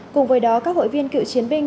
cùng với đó các hội viên cựu chiến binh